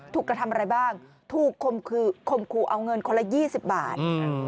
ถูกกระทำอะไรบ้างถูกคมคู่เอาเงินคนละ๒๐บาท